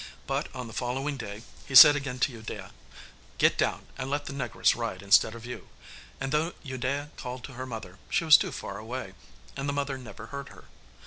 But on the following day he said again to Udea, 'Get down, and let the negress ride instead of you,' and though Udea called to her mother she was too far away, and the mother never heard her.